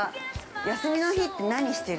◆休みの日って何してる？